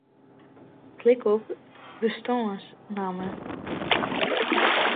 Klik op bestânsnamme.